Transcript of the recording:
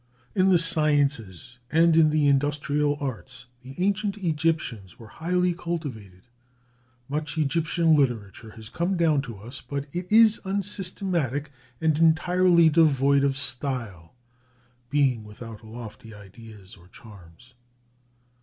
In the sciences and in the industrial arts the ancient Egyptians were highly cultivated. Much Egyptian literature has come down to us, but it is unsystematic and entirely devoid of style, being without lofty ideas or charms.